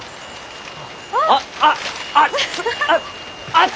あっ！